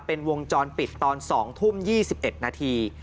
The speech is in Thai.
เป็นวงจรปิดตอน๒ทุ่ม๒๑นาที